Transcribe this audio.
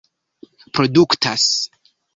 produktas